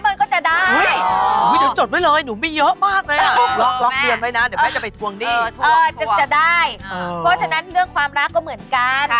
ไม่เชื่อเขาทั้งหมดแต่ก็ควรจะฟังเขาไว้สักนิดหนึ่ง